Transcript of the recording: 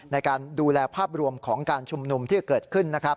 ในการดูแลภาพรวมของการชุมนุมที่เกิดขึ้น